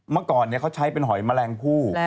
เมื่อก่อนเขาใช้เป็นหอยแมลงผู้